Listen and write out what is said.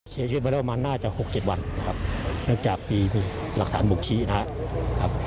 เสียชีวิตมาแล้วประมาณน่าจะ๖๗วันนะครับเนื่องจากมีหลักฐานบุกชี้นะครับ